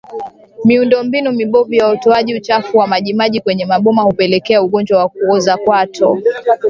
Miundombinu mibovu ya utoaji uchafu wa majimaji kwenye maboma hupelekea ugonjwa wa kuoza kwato